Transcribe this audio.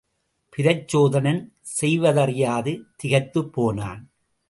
பிரச்சோதனன் செய்வதறியாது திகைத்துப் போனான்.